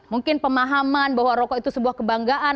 ada yang memiliki pemahaman bahwa rokok itu sebuah kebanggaan